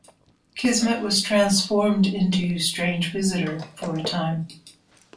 Kismet was transformed into Strange Visitor for a time.